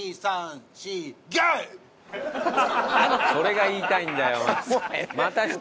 それが言いたいんだよ。